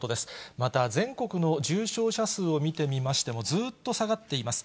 また、全国の重症者数を見てみましても、ずっと下がっています。